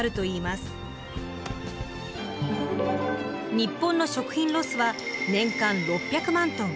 日本の食品ロスは年間６００万ｔ。